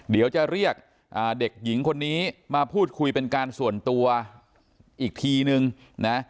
เดี๋ยวจะเรียกเด็กหญิงคนนี้มาพูดคุยเป็นการส่วนตัวอีกทีนึงนะ